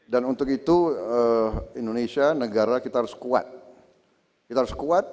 dan untuk itu indonesia negara kita harus kuat kita harus kuat